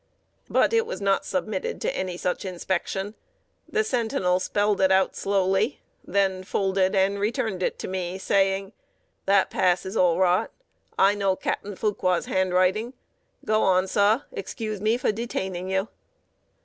But it was not submitted to any such inspection. The sentinel spelled it out slowly, then folded and returned it to me, saying: "That pass is all right. I know Captain Fuqua's handwriting. Go on, sir; excuse me for detaining you."